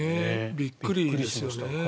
びっくりですよね。